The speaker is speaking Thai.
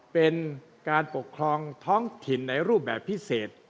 เป็นการปกครองท้องถิ่นในรูปแบบพิเศษ